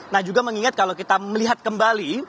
nah juga mengingat kalau kita melihat kembali